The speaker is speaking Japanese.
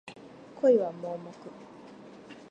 恋は盲目